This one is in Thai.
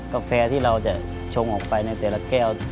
กาแฟที่เราจะชงออกไปในแต่ละแก้ว